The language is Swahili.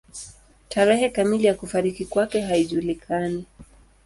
Tarehe kamili ya kufariki kwake haijulikani.